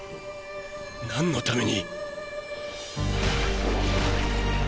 何のために？